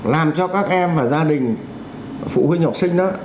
làm cho các em và gia đình phụ huynh học sinh nữa